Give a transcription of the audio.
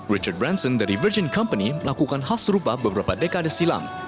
richard branson dari virgin company melakukan hal serupa beberapa dekade silam